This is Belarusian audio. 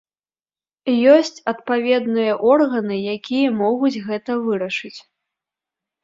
Ёсць адпаведныя органы, якія могуць гэта вырашыць.